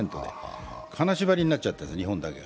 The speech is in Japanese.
金縛りになっちゃってるんです、日本だけが。